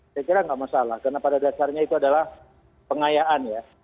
saya kira nggak masalah karena pada dasarnya itu adalah pengayaan ya